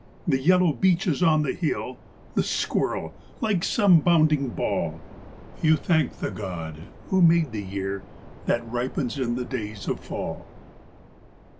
The yellow beeches on the hill, the squir¬ rel, like some bounding ball. You thank the God who made the year that ripens in the days of fall.